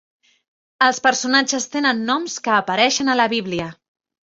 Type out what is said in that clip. Els personatges tenen noms que apareixen a la Bíblia.